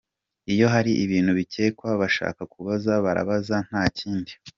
Iyo hari ibintu bikekwa bashaka kubaza, barabaza nta kindi.